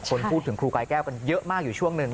คนพูดถึงครูกายแก้วกันเยอะมากอยู่ช่วงหนึ่ง